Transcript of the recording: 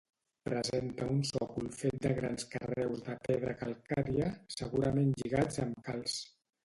Presenta un sòcol fet de grans carreus de pedra calcària, segurament lligats amb calç.